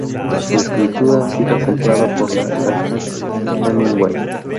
Su escritura ha sido comparada con la de Ernest Hemingway.